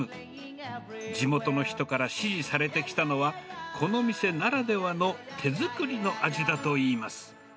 地元の人から支持されてきたのは、この店ならではの手作りの味だといいます。